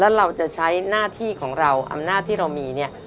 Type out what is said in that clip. แล้วเราจะใช้หน้าที่ของเราอำนาจที่เรามีเนี่ย